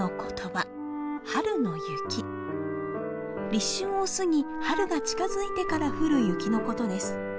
立春を過ぎ春が近づいてから降る雪のことです。